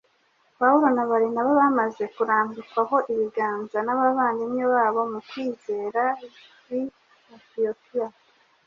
Pawulo na Barinaba bamaze kurambikaho ibiganza n’abavandimwe babo mu kwizera b’i Antiyokiya,